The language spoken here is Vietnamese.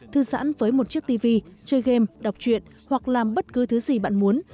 thư giãn với một chiếc tv chơi game đọc chuyện hoặc làm bất cứ thứ gì bạn muốn